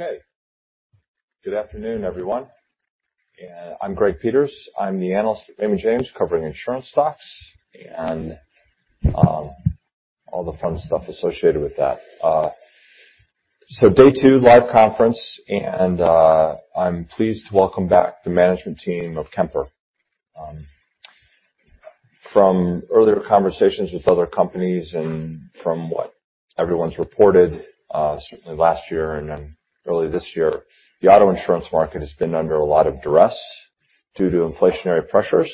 Okay. Good afternoon, everyone. I'm Greg Peters. I'm the analyst at Raymond James, covering insurance stocks and all the fun stuff associated with that. Day 2, live conference, and I'm pleased to welcome back the management team of Kemper. From earlier conversations with other companies and from what everyone's reported, certainly last year and then early this year, the auto insurance market has been under a lot of duress due to inflationary pressures.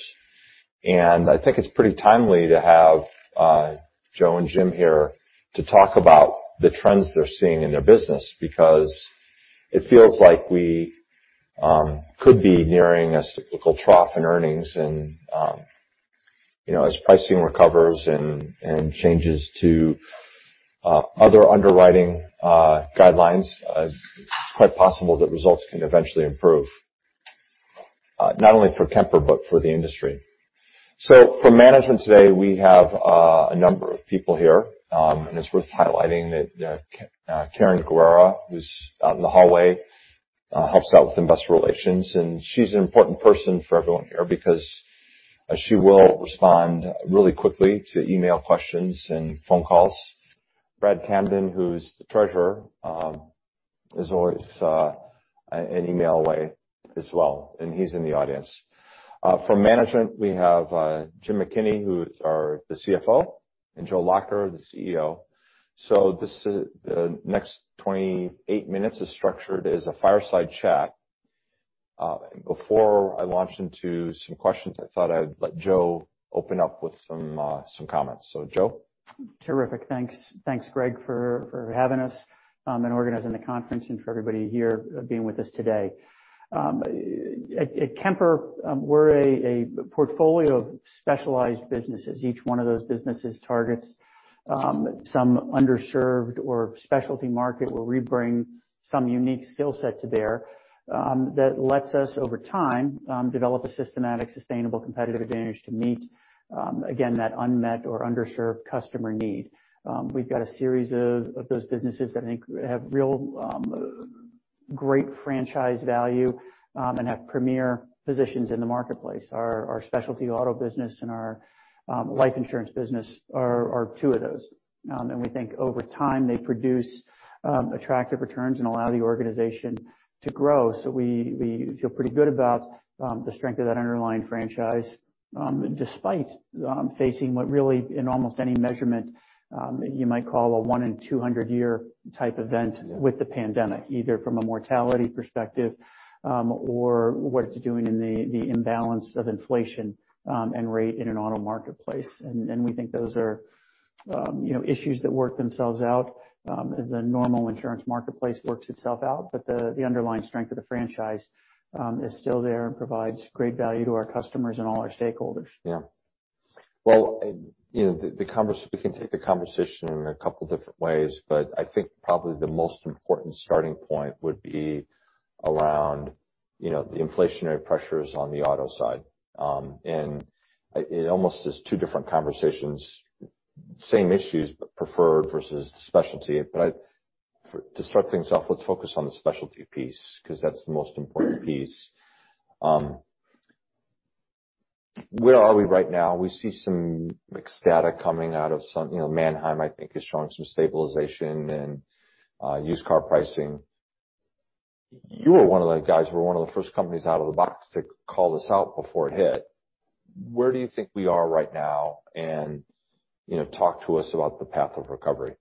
I think it's pretty timely to have Joe and Jim here to talk about the trends they're seeing in their business, because it feels like we could be nearing a cyclical trough in earnings. As pricing recovers and changes to other underwriting guidelines, it's quite possible that results can eventually improve, not only for Kemper but for the industry. From management today, we have a number of people here, and it's worth highlighting that Karen Guerra, who's out in the hallway, helps out with investor relations, and she's an important person for everyone here because she will respond really quickly to email questions and phone calls. Brad Camden, who's the Treasurer is always an email away as well, and he's in the audience. From management, we have Jim McKinney, who's the CFO, and Joe Lacher, the CEO. The next 28 minutes is structured as a fireside chat. Before I launch into some questions, I thought I'd let Joe open up with some comments. Joe? Terrific. Thanks. Thanks, Greg, for having us and organizing the conference and for everybody here being with us today. At Kemper, we're a portfolio of specialized businesses. Each one of those businesses targets some underserved or specialty market where we bring some unique skill set to bear that lets us, over time, develop a systematic, sustainable competitive advantage to meet, again, that unmet or underserved customer need. We've got a series of those businesses that I think have real great franchise value and have premier positions in the marketplace. Our specialty auto business and our life insurance business are two of those. We think over time, they produce attractive returns and allow the organization to grow. We feel pretty good about the strength of that underlying franchise, despite facing what really, in almost any measurement, you might call a one in 200 year type event with the pandemic, either from a mortality perspective or what it's doing in the imbalance of inflation and rate in an auto marketplace. We think those are issues that work themselves out as the normal insurance marketplace works itself out. The underlying strength of the franchise is still there and provides great value to our customers and all our stakeholders. Well, we can take the conversation in a couple different ways, but I think probably the most important starting point would be around the inflationary pressures on the auto side. It almost is two different conversations, same issues, but preferred versus specialty. To start things off, let's focus on the specialty piece, because that's the most important piece. Where are we right now? We see some mixed data coming out of some Manheim, I think, is showing some stabilization in used car pricing. You were one of the guys who were one of the first companies out of the box to call this out before it hit. Where do you think we are right now? Talk to us about the path of recovery.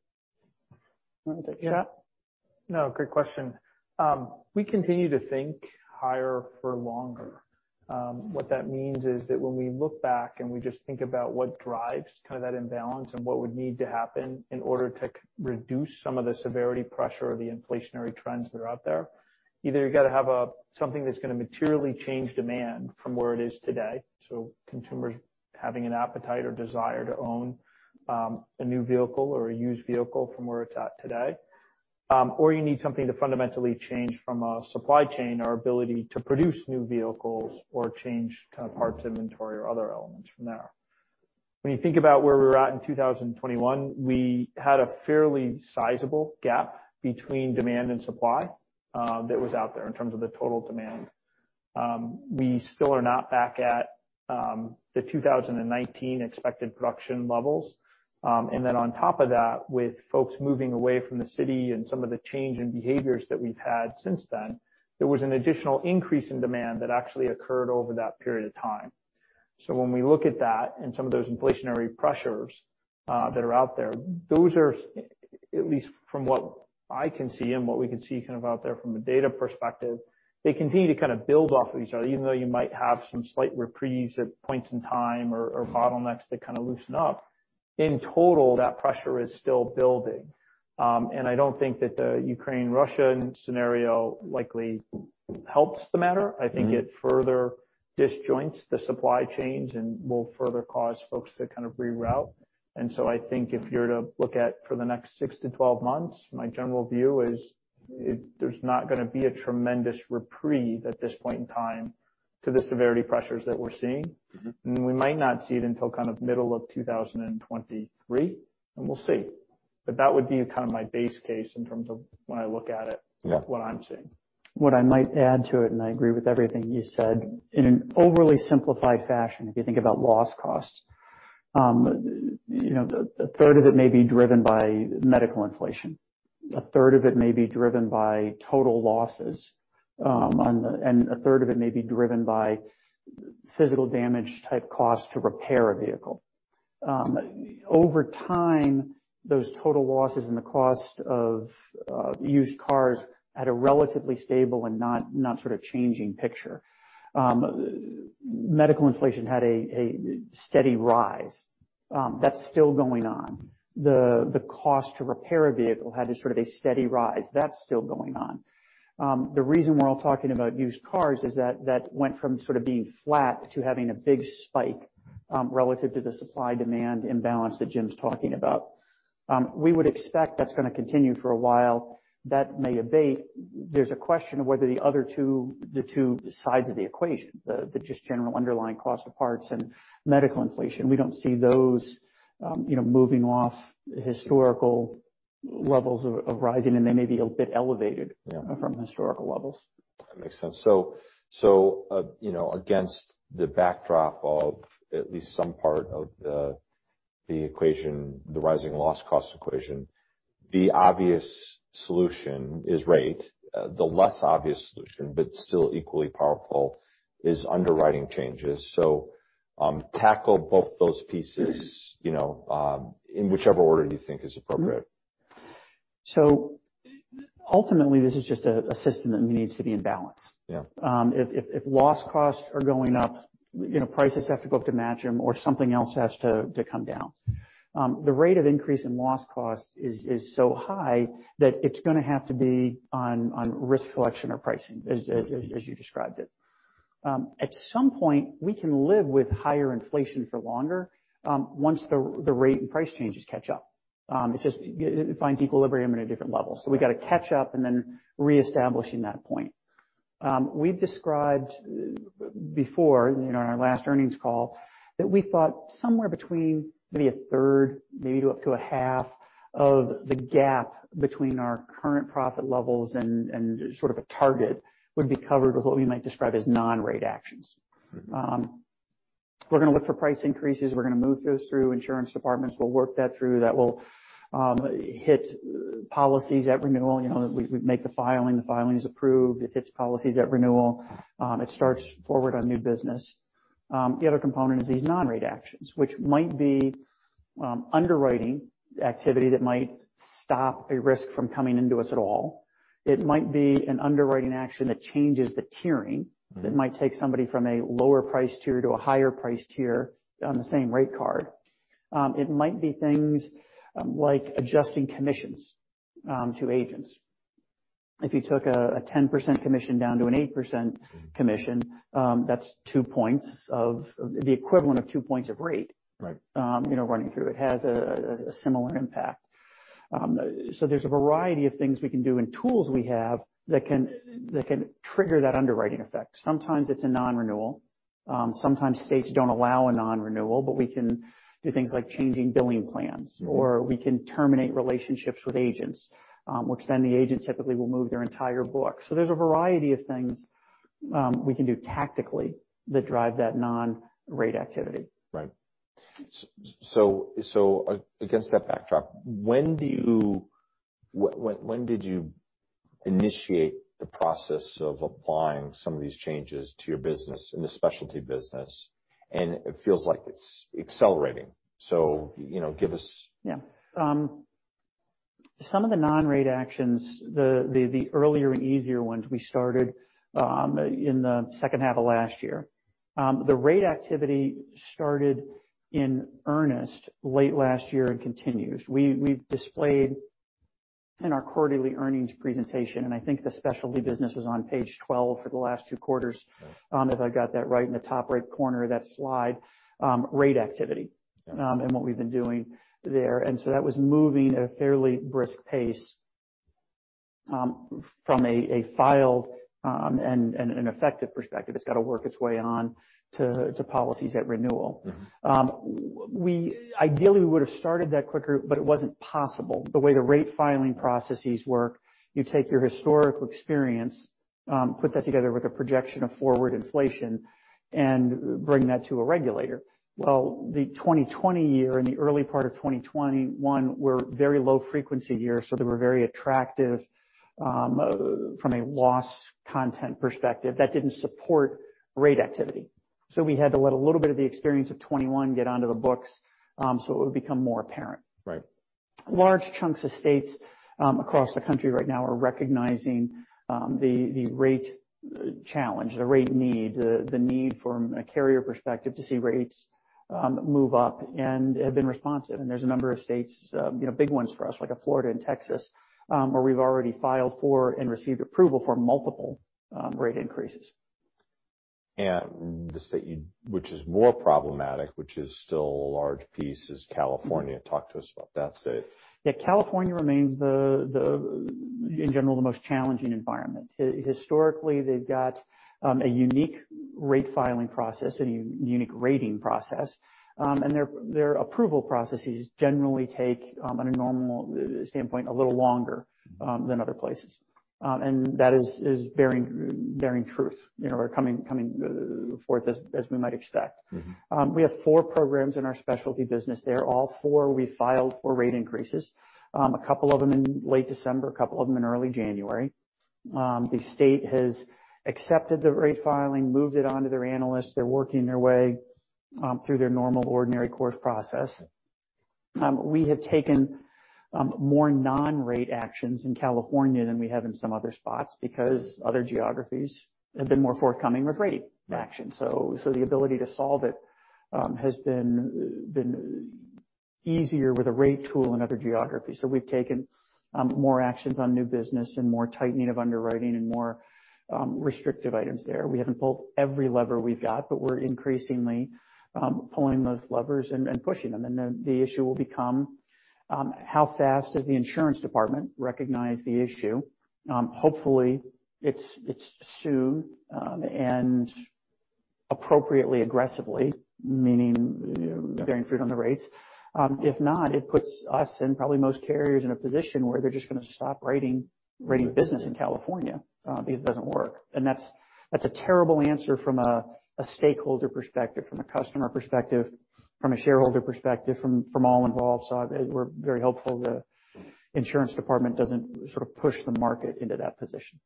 You want to take that? No, great question. We continue to think higher for longer. What that means is that when we look back and we just think about what drives that imbalance and what would need to happen in order to reduce some of the severity pressure or the inflationary trends that are out there, either you got to have something that's going to materially change demand from where it is today, so consumers having an appetite or desire to own a new vehicle or a used vehicle from where it's at today, or you need something to fundamentally change from a supply chain, our ability to produce new vehicles or change parts inventory or other elements from there. When you think about where we were at in 2021, we had a fairly sizable gap between demand and supply that was out there in terms of the total demand. We still are not back at the 2019 expected production levels. On top of that, with folks moving away from the city and some of the change in behaviors that we've had since then, there was an additional increase in demand that actually occurred over that period of time. When we look at that and some of those inflationary pressures that are out there, those are, at least from what I can see and what we can see out there from a data perspective, they continue to build off of each other. Even though you might have some slight reprieves at points in time or bottlenecks that loosen up, in total, that pressure is still building. I don't think that the Ukraine-Russia scenario likely helps the matter. I think it further disjoints the supply chains and will further cause folks to reroute. I think if you're to look at for the next 6 to 12 months, my general view is there's not going to be a tremendous reprieve at this point in time To the severity pressures that we're seeing. We might not see it until middle of 2023, and we'll see. That would be my base case in terms of when I look at it. Yeah that's what I'm seeing. What I might add to it, and I agree with everything you said. In an overly simplified fashion, if you think about loss costs, a third of it may be driven by medical inflation, a third of it may be driven by total losses, and a third of it may be driven by physical damage type costs to repair a vehicle. Over time, those total losses and the cost of used cars had a relatively stable and not changing picture. Medical inflation had a steady rise. That's still going on. The cost to repair a vehicle had a steady rise. That's still going on. The reason we're all talking about used cars is that that went from being flat to having a big spike, relative to the supply-demand imbalance that Jim's talking about. We would expect that's going to continue for a while. That may abate. There's a question of whether the other two sides of the equation, the just general underlying cost of parts and medical inflation, we don't see those moving off historical levels of rising, and they may be a bit elevated. Yeah They are from historical levels. That makes sense. Against the backdrop of at least some part of the equation, the rising loss cost equation, the obvious solution is rate. The less obvious solution, but still equally powerful, is underwriting changes. Tackle both those pieces, in whichever order you think is appropriate. Ultimately, this is just a system that needs to be in balance. Yeah. If loss costs are going up, prices have to go up to match them or something else has to come down. The rate of increase in loss costs is so high that it's going to have to be on risk selection or pricing, as you described it. At some point, we can live with higher inflation for longer once the rate and price changes catch up. It finds equilibrium at a different level. We've got to catch up and then reestablish in that point. We've described before, in our last earnings call, that we thought somewhere between maybe a third, maybe up to a half of the gap between our current profit levels and a target would be covered with what we might describe as non-rate actions. Okay. We're going to look for price increases. We're going to move those through insurance departments. We'll work that through. That will hit policies at renewal. We make the filing, the filing is approved. It hits policies at renewal. It starts forward on new business. The other component is these non-rate actions, which might be underwriting activity that might stop a risk from coming into us at all. It might be an underwriting action that changes the tiering, that might take somebody from a lower price tier to a higher price tier on the same rate card. It might be things like adjusting commissions to agents. If you took a 10% commission down to an 8% commission, that's two points of the equivalent of two points of rate- Right running through. It has a similar impact. There's a variety of things we can do and tools we have that can trigger that underwriting effect. Sometimes it's a non-renewal. Sometimes states don't allow a non-renewal, but we can do things like changing billing plans, or we can terminate relationships with agents, which then the agent typically will move their entire book. There's a variety of things we can do tactically that drive that non-rate activity. Right. Against that backdrop, when did you initiate the process of applying some of these changes to your business, in the specialty business? It feels like it's accelerating, give us. Yeah. Some of the non-rate actions, the earlier and easier ones, we started in the second half of last year. The rate activity started in earnest late last year and continues. We've displayed in our quarterly earnings presentation, and I think the specialty business was on page 12 for the last two quarters. Okay If I got that right, in the top right corner of that slide, rate activity. Got it. What we've been doing there. That was moving at a fairly brisk pace from a filed and an effective perspective. It's got to work its way on to policies at renewal. Ideally, we would've started that quicker, but it wasn't possible. The way the rate filing processes work, you take your historical experience, put that together with a projection of forward inflation and bring that to a regulator. Well, the 2020 year and the early part of 2021 were very low frequency years, so they were very attractive from a loss content perspective. That didn't support rate activity. We had to let a little bit of the experience of 2021 get onto the books, so it would become more apparent. Right. Large chunks of states across the country right now are recognizing the rate challenge, the rate need, the need from a carrier perspective to see rates move up and have been responsive. There's a number of states, big ones for us, like Florida and Texas, where we've already filed for and received approval for multiple rate increases. Yeah. The state which is more problematic, which is still a large piece, is California. Talk to us about that state. Yeah, California remains, in general, the most challenging environment. Historically, they've got a unique rate filing process and a unique rating process. Their approval processes generally take, on a normal standpoint, a little longer than other places. That is bearing truth. Coming forth as we might expect. We have four programs in our Specialty business there. All four, we filed for rate increases, a couple of them in late December, a couple of them in early January. The state has accepted the rate filing, moved it onto their analysts. They're working their way through their normal ordinary course process. We have taken more non-rate actions in California than we have in some other spots because other geographies have been more forthcoming with rate action. The ability to solve it has been easier with a rate tool in other geographies. We've taken more actions on new business and more tightening of underwriting and more restrictive items there. We haven't pulled every lever we've got, but we're increasingly pulling those levers and pushing them. The issue will become, how fast does the insurance department recognize the issue? Hopefully, it's soon, and appropriately aggressively, meaning bearing fruit on the rates. If not, it puts us and probably most carriers in a position where they're just going to stop writing business in California because it doesn't work. That's a terrible answer from a stakeholder perspective, from a customer perspective, from a shareholder perspective, from all involved. We're very hopeful the insurance department doesn't sort of push the market into that position.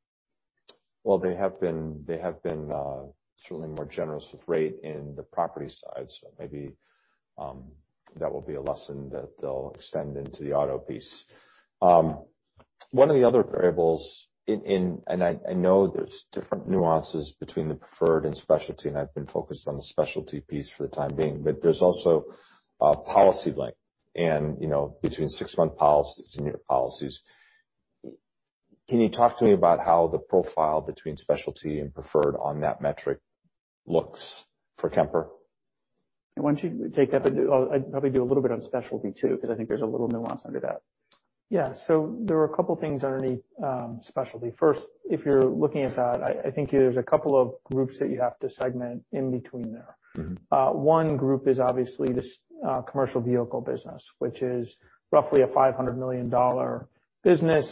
Well, they have been certainly more generous with rate in the property side, maybe that will be a lesson that they'll extend into the auto piece. One of the other variables, and I know there's different nuances between the preferred and Specialty, and I've been focused on the Specialty piece for the time being, but there's also policy length between six-month policies and year policies. Can you talk to me about how the profile between Specialty and preferred on that metric looks for Kemper? Why don't you take that? I'd probably do a little bit on specialty, too, because I think there's a little nuance under that. There are a couple things underneath specialty. First, if you're looking at that, I think there's a couple of groups that you have to segment in between there. One group is obviously this commercial vehicle business, which is roughly a $500 million business.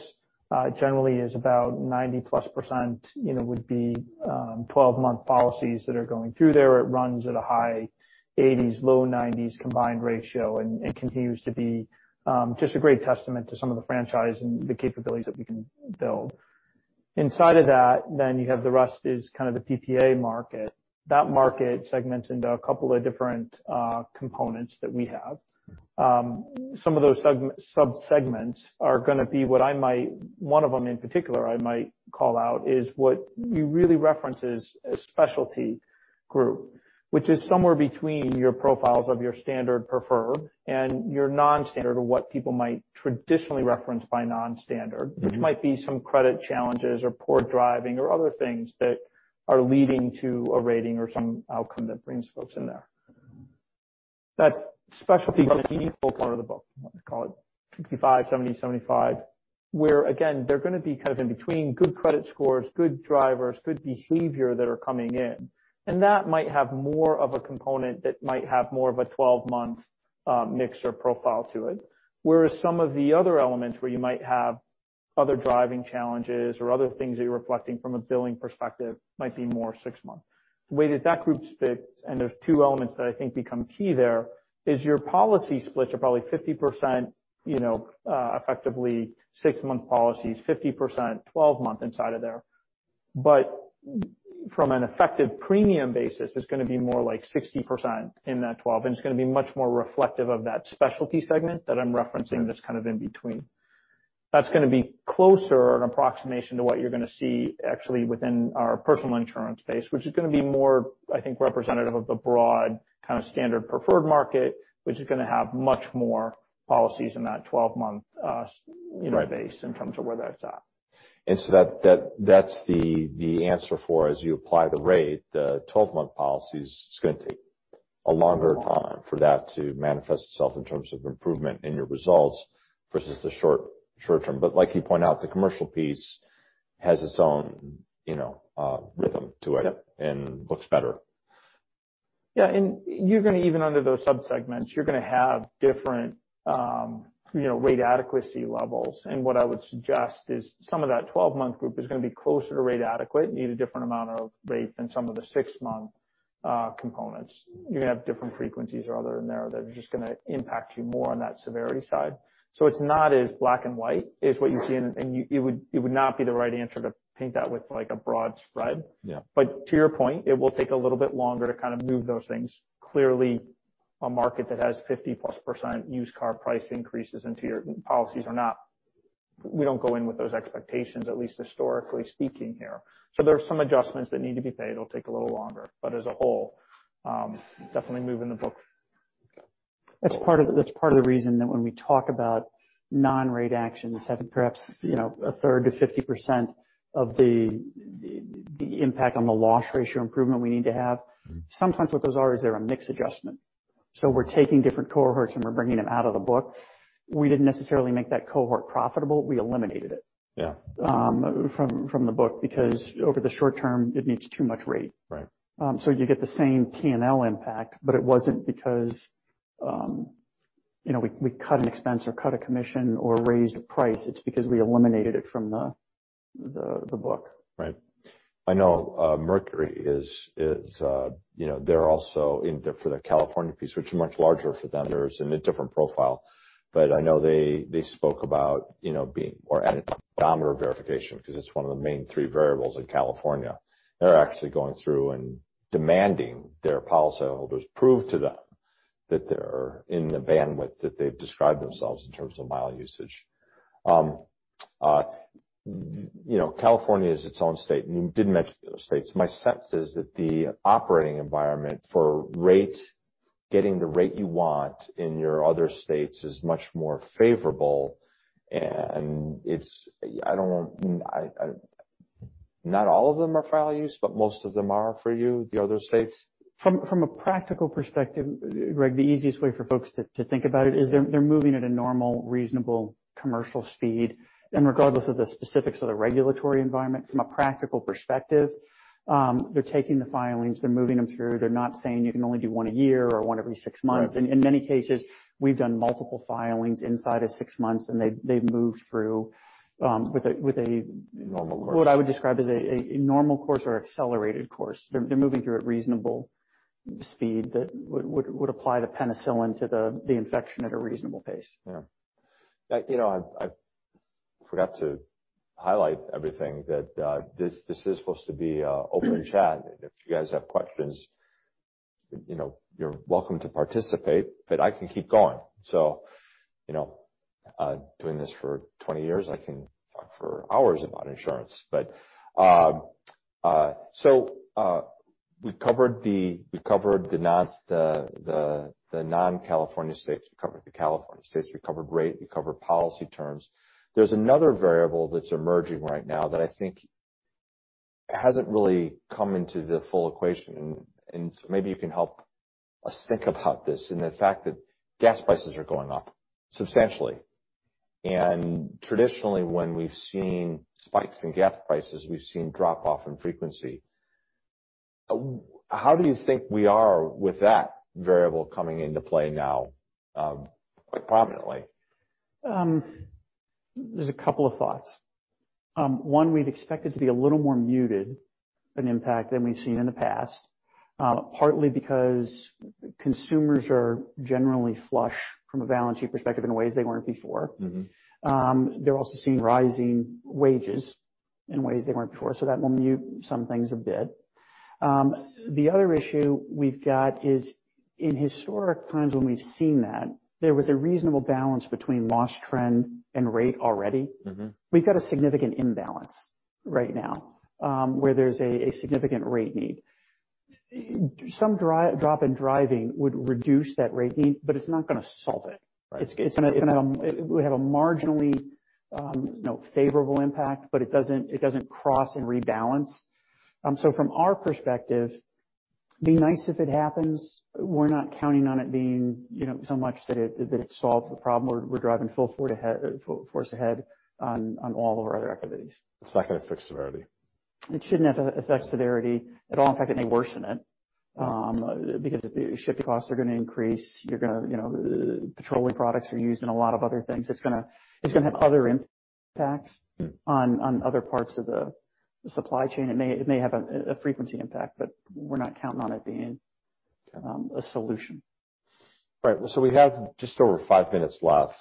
Generally is about 90-plus % would be 12-month policies that are going through there. It runs at a high 80s, low 90s combined ratio, and continues to be just a great testament to some of the franchise and the capabilities that we can build. Inside of that, you have the rest is kind of the PPA market. That market segments into a couple of different components that we have. Some of those sub-segments are going to be One of them in particular I might call out is what you really reference as a specialty group, which is somewhere between your profiles of your standard preferred and your non-standard, or what people might traditionally reference by non-standard. Which might be some credit challenges or poor driving or other things that are leading to a rating or some outcome that brings folks in there. That specialty is a meaningful part of the book, let's call it 65, 70, 75, where again, they're going to be kind of in between good credit scores, good drivers, good behavior that are coming in. That might have more of a component that might have more of a 12-month mix or profile to it. Whereas some of the other elements where you might have other driving challenges or other things that you're reflecting from a billing perspective might be more six months. The way that that group sits, and there's two elements that I think become key there, is your policy splits are probably 50% effectively six-month policies, 50% 12-month inside of there. From an effective premium basis, it's going to be more like 60% in that 12, and it's going to be much more reflective of that specialty segment that I'm referencing that's kind of in between. That's going to be closer in approximation to what you're going to see actually within our personal insurance base, which is going to be more, I think representative of the broad kind of standard preferred market, which is going to have much more policies in that 12-month base in terms of where that's at. That's the answer for, as you apply the rate, the 12-month policy's going to take a longer time for that to manifest itself in terms of improvement in your results, versus the short term. Like you point out, the commercial piece has its own rhythm to it. Yep. Looks better. You're going to, even under those sub-segments, you're going to have different rate adequacy levels. What I would suggest is some of that 12-month group is going to be closer to rate adequate, need a different amount of rate than some of the 6-month components. You're going to have different frequencies or other in there that are just going to impact you more on that severity side. It's not as black and white is what you see, and it would not be the right answer to paint that with a broad spread. Yeah. To your point, it will take a little bit longer to kind of move those things. Clearly, a market that has 50-plus% used car price increases into your policies are not-- We don't go in with those expectations, at least historically speaking here. There are some adjustments that need to be paid. It'll take a little longer, but as a whole, definitely moving the book. That's part of the reason that when we talk about non-rate actions having perhaps a third to 50% of the impact on the loss ratio improvement we need to have. Sometimes what those are, is they're a mix adjustment. We're taking different cohorts, and we're bringing them out of the book. We didn't necessarily make that cohort profitable. We eliminated it Yeah from the book, because over the short term, it needs too much rate. Right. You get the same P&L impact, but it wasn't because we cut an expense or cut a commission or raised a price. It's because we eliminated it from the book. Right. I know Mercury, they're also in for the California piece, which is much larger for them. They're in a different profile. I know they spoke about being more at odometer verification because it's one of the main three variables in California. They're actually going through and demanding their policyholders prove to them that they're in the bandwidth that they've described themselves in terms of mile usage. California is its own state, and you did mention the other states. My sense is that the operating environment for getting the rate you want in your other states is much more favorable, and not all of them are file and use, but most of them are for you, the other states. From a practical perspective, Greg, the easiest way for folks to think about it is they're moving at a normal, reasonable commercial speed. Regardless of the specifics of the regulatory environment, from a practical perspective, they're taking the filings, they're moving them through. They're not saying you can only do one a year or one every six months. Right. In many cases, we've done multiple filings inside of six months, they've moved through with. Normal course what I would describe as a normal course or accelerated course. They're moving through at reasonable speed that would apply the penicillin to the infection at a reasonable pace. Yeah. I forgot to highlight everything that this is supposed to be an open chat. If you guys have questions, you're welcome to participate, but I can keep going. Doing this for 20 years, I can talk for hours about insurance. We covered the non-California states. We covered the California states. We covered rate. We covered policy terms. There's another variable that's emerging right now that I think hasn't really come into the full equation, maybe you can help us think about this and the fact that gas prices are going up substantially. Traditionally, when we've seen spikes in gas prices, we've seen drop-off in frequency. How do you think we are with that variable coming into play now quite prominently? There's a couple of thoughts. One, we'd expect it to be a little more muted an impact than we've seen in the past, partly because consumers are generally flush from a balance sheet perspective in ways they weren't before. They're also seeing rising wages in ways they weren't before. That will mute some things a bit. The other issue we've got is in historic times when we've seen that, there was a reasonable balance between loss trend and rate already. We've got a significant imbalance right now, where there's a significant rate need. Some drop in driving would reduce that rate need, but it's not going to solve it. Right. It would have a marginally favorable impact, but it doesn't cross and rebalance. From our perspective, be nice if it happens. We're not counting on it being so much that it solves the problem. We're driving full force ahead on all of our other activities. It's not going to fix severity. It shouldn't affect severity at all. In fact, it may worsen it, because shipping costs are going to increase. Petroleum products are used in a lot of other things. It's going to have other impacts on other parts of the supply chain. It may have a frequency impact, we're not counting on it being a solution. Right. We have just over five minutes left,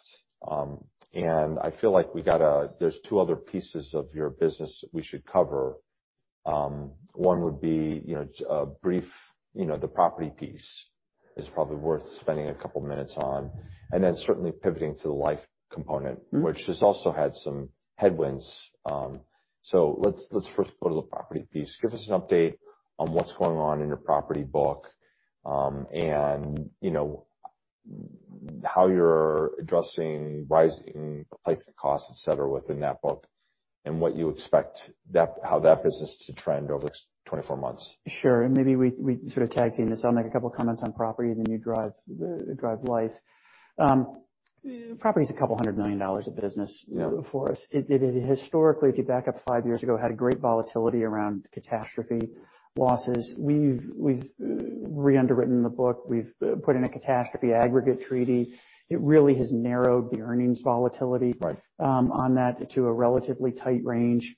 I feel like there's two other pieces of your business that we should cover. One would be brief, the property piece is probably worth spending a couple of minutes on, certainly pivoting to the life component. which has also had some headwinds. Let's first go to the property piece. Give us an update on what's going on in your property book, how you're addressing rising replacement costs, et cetera, within that book, what you expect how that business to trend over 24 months. Sure. Maybe we tag team this. I'll make a couple comments on property, then you drive life. Property's a couple hundred million dollars of business for us. Historically, if you back up five years ago, had great volatility around catastrophe losses. We've re-underwritten the book. We've put in a catastrophe aggregate treaty. It really has narrowed the earnings volatility- Right on that to a relatively tight range.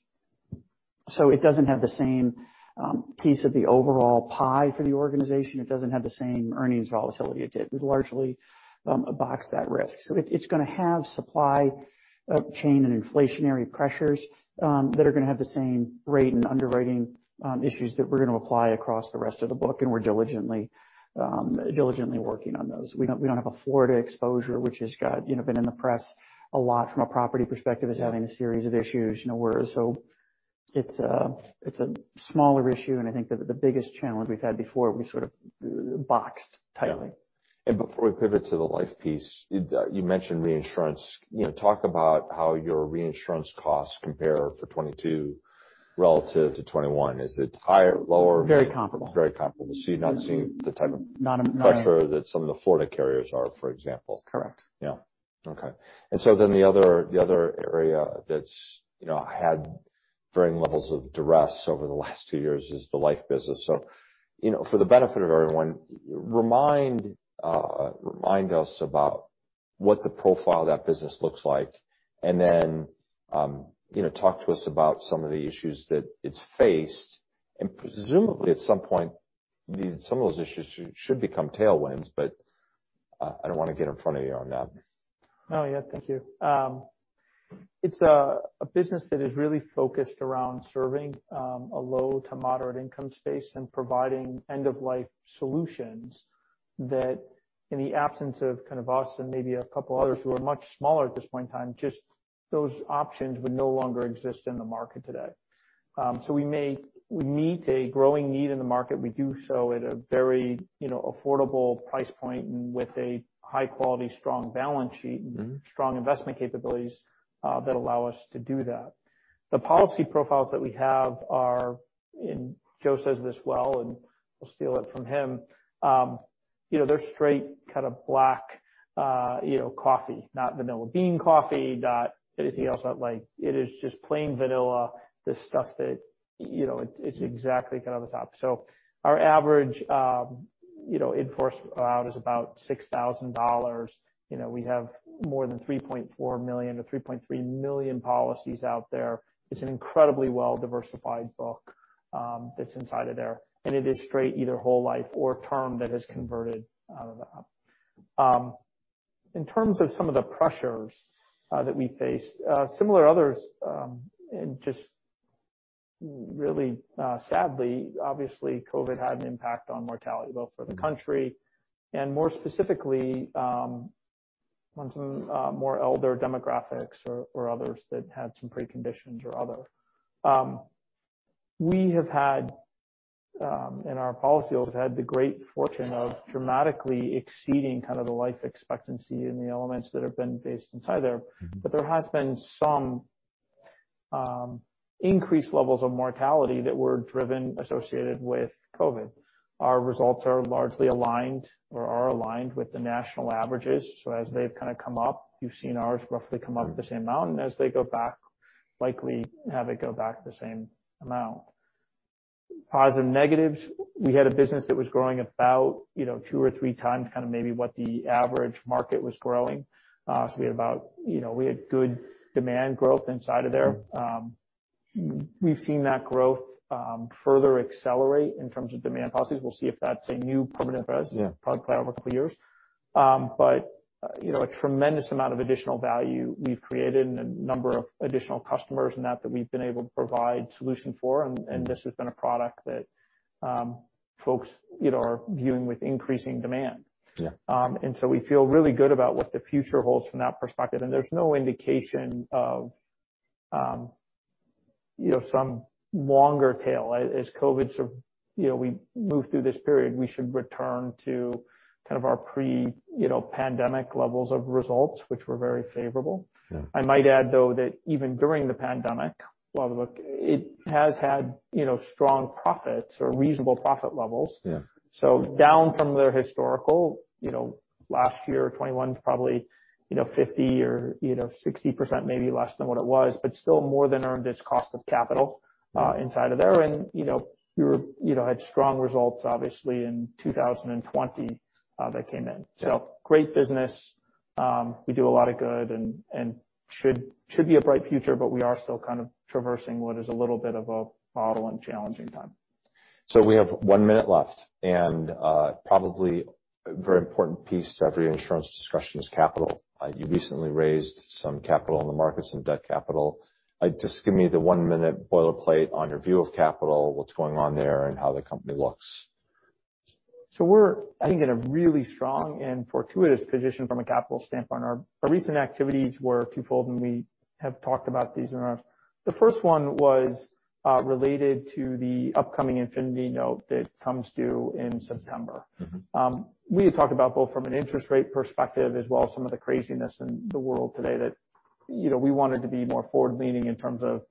It doesn't have the same piece of the overall pie for the organization. It doesn't have the same earnings volatility. It largely boxed that risk. It's going to have supply chain and inflationary pressures that are going to have the same rate and underwriting issues that we're going to apply across the rest of the book, and we're diligently working on those. We don't have a Florida exposure, which has been in the press a lot from a property perspective as having a series of issues. It's a smaller issue, I think that the biggest challenge we've had before, we sort of boxed tightly. Yeah. Before we pivot to the life piece, you mentioned reinsurance. Talk about how your reinsurance costs compare for 2022 relative to 2021. Is it higher, lower? Very comparable. Very comparable. You're not seeing the type of- Not a- Pressure that some of the Florida carriers are, for example. Correct. Yeah. Okay. The other area that's had varying levels of duress over the last two years is the life business. For the benefit of everyone, remind us about what the profile of that business looks like, then talk to us about some of the issues that it's faced. Presumably, at some point, some of those issues should become tailwinds, but I don't want to get in front of you on that. No, yeah. Thank you. It's a business that is really focused around serving a low to moderate income space and providing end-of-life solutions that in the absence of kind of us and maybe a couple others who are much smaller at this point in time, just those options would no longer exist in the market today. We meet a growing need in the market. We do so at a very affordable price point and with a high-quality, strong balance sheet- strong investment capabilities that allow us to do that. The policy profiles that we have are, and Joe says this well, and I'll steal it from him. They're straight kind of black coffee, not vanilla bean coffee, not anything else like. It is just plain vanilla, the stuff that it's exactly kind of the top. Our average in force out is about $6,000. We have more than 3.4 million to 3.3 million policies out there. It's an incredibly well-diversified book that's inside of there, and it is straight either whole life or term that has converted out of that. In terms of some of the pressures that we face, similar to others, and just really sadly, obviously, COVID had an impact on mortality, both for the country, and more specifically, on some more elder demographics or others that had some preconditions or other. We have had in our policy, have had the great fortune of dramatically exceeding kind of the life expectancy and the elements that have been based inside there. There has been some increased levels of mortality that were driven associated with COVID. Our results are largely aligned or are aligned with the national averages. As they've kind of come up, you've seen ours roughly come up the same amount, and as they go back, likely have it go back the same amount. Positive negatives, we had a business that was growing about two or three times kind of maybe what the average market was growing. We had good demand growth inside of there. We've seen that growth further accelerate in terms of demand policies. We'll see if that's a new permanent. Yeah probably play over a couple of years. A tremendous amount of additional value we've created in a number of additional customers and that we've been able to provide solution for, and this has been a product that folks are viewing with increasing demand. Yeah. We feel really good about what the future holds from that perspective, and there's no indication of some longer tail. As COVID, we move through this period, we should return to kind of our pre-pandemic levels of results, which were very favorable. Yeah. I might add, though, that even during the pandemic, while the book, it has had strong profits or reasonable profit levels. Yeah. Down from their historical last year, 2021 is probably 50% or 60%, maybe less than what it was, but still more than earned its cost of capital inside of there. Had strong results, obviously, in 2020 that came in. Yeah. Great business. We do a lot of good and should be a bright future, but we are still kind of traversing what is a little bit of a modeling challenging time. We have one minute left, and probably a very important piece to every insurance discussion is capital. You recently raised some capital in the market, some debt capital. Just give me the one-minute boilerplate on your view of capital, what's going on there, and how the company looks. We're, I think, in a really strong and fortuitous position from a capital standpoint. Our recent activities were twofold, and we have talked about these in our-- The first one was related to the upcoming senior notes that comes due in September. We had talked about both from an interest rate perspective as well as some of the craziness in the world today that we wanted to be more forward-leaning in terms of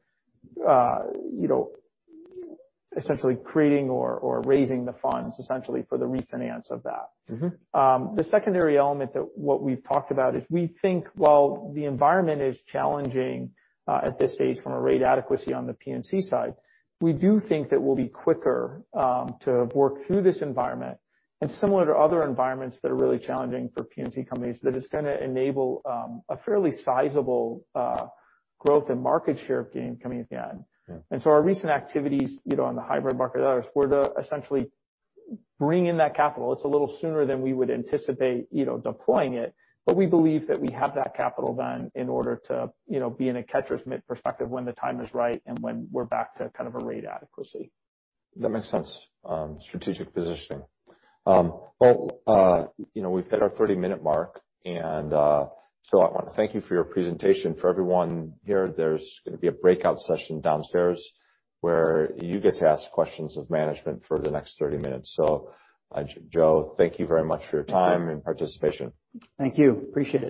essentially creating or raising the funds essentially for the refinance of that. The secondary element that we've talked about is we think while the environment is challenging at this stage from a rate adequacy on the P&C side, we do think that we'll be quicker to work through this environment, and similar to other environments that are really challenging for P&C companies, that it's going to enable a fairly sizable growth and market share gain coming at the end. Yeah. Our recent activities on the hybrid market others were to essentially bring in that capital. It's a little sooner than we would anticipate deploying it, but we believe that we have that capital then in order to be in a catcher's mitt perspective when the time is right and when we're back to kind of a rate adequacy. That makes sense. Strategic positioning. We've hit our 30-minute mark. I want to thank you for your presentation. For everyone here, there's going to be a breakout session downstairs where you get to ask questions of management for the next 30 minutes. Joe, thank you very much for your time and participation. Thank you. Appreciate it.